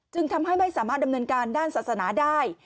จึงทำให้ไม่สามารถดำเนินการด้านศาสนาได้